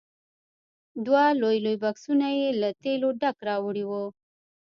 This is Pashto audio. دوه لوی لوی بکسونه یې له تېلو ډک راوړي وو.